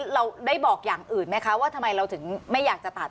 เราได้บอกอย่างอื่นไหมคะว่าทำไมเราถึงไม่อยากจะตัด